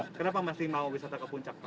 kenapa masih mau wisata ke puncak